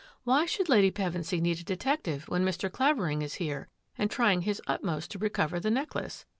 " Why should Lady Pevensy need a detective when Mr. Clavering is here and trying his utmost to recover the necklace?